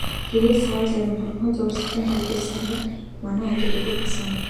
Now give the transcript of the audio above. Тэгээд л саарал арми хоромхон зуурт салхинд туугдан сарних манан адил үгүй болсон.